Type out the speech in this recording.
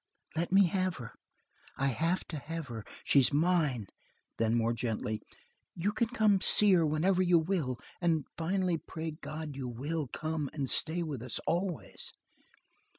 "Let me have her! I have to have her! She's mine!" Then more gently: "You can come to see her whenever you will. And, finally pray God you will come and stay with us always."